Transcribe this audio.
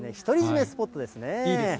独り占めスポットですね。